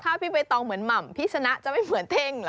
ถ้าพี่ใบตองเหมือนหม่ำพี่ชนะจะไม่เหมือนเท่งเหรอ